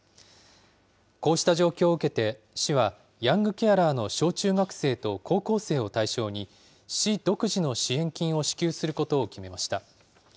こうした状況を受けて、市はヤングケアラーの小中学生と高校生を対象に、市独自の支援金を支給することを決めました。